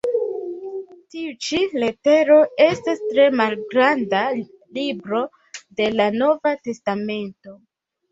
Tiu ĉi letero estas tre malgranda "libro" de la nova testamento.